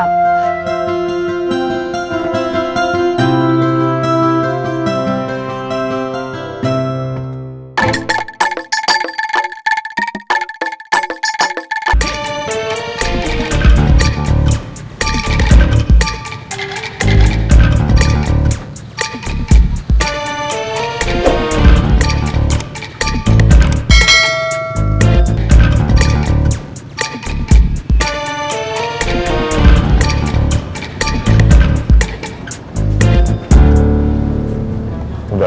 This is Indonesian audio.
sampai kang komar